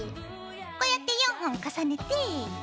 こうやって４本重ねて。